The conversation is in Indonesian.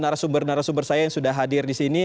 narasumber narasumber saya yang sudah hadir di sini